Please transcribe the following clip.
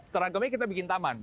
seragamnya kita bikin taman